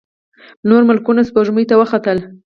نور ملکونه سپوږمۍ ته وختل.